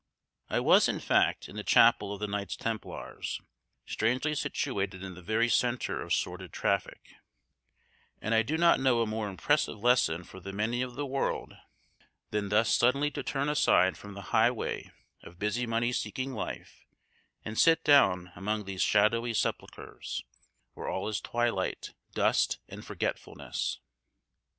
I was, in fact, in the chapel of the Knights Templars, strangely situated in the very centre of sordid traffic; and I do not know a more impressive lesson for the many of the world than thus suddenly to turn aside from the highway of busy money seeking life, and sit down among these shadowy sepulchres, where all is twilight, dust, and forget fullness.